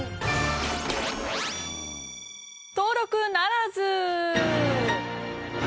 登録ならず。